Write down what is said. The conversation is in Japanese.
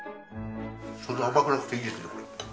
そんな甘くなくていいですね。